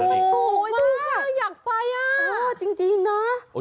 โอ้โหเยี่ยมมากอยากไปอ่ะ